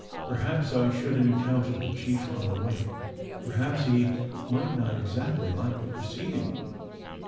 Perhaps I should encounter the chief on the way? Perhaps he might not exactly like the proceeding?